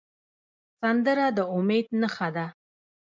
سندره د امید نښه ده